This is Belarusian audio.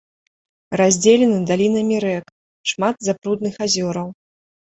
Раздзелены далінамі рэк, шмат запрудных азёраў.